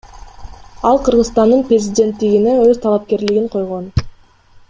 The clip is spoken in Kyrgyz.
Ал Кыргызстандын президенттигине өз талапкерлигин койгон.